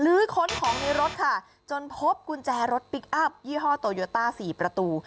ค้นของในรถค่ะจนพบกุญแจรถพลิกอัพยี่ห้อโตโยต้า๔ประตู